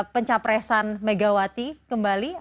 pencapresan megawati kembali